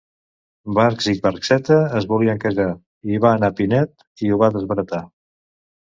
Barx i Barxeta es volien casar, hi va anar Pinet i ho va desbaratar.